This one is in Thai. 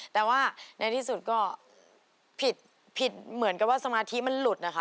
แต่ว่าในที่สุดก็ผิดผิดเหมือนกับว่าสมาธิมันหลุดนะคะ